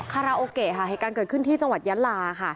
คาราโอเกะค่ะเหตุการณ์เกิดขึ้นที่จังหวัดยะลาค่ะ